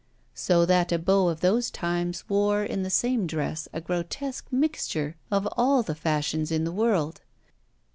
So that a beau of those times wore in the same dress a grotesque mixture of all the fashions in the world.